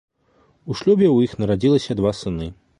У шлюбе ў іх нарадзіліся два сыны.